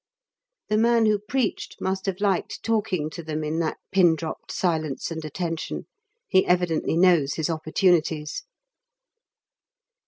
The man who preached must have liked talking to them in that pin dropped silence and attention; he evidently knows his opportunities.